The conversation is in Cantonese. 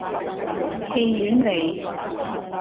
戲院里